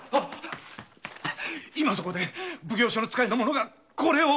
今そこで奉行所の使いの者がこれを。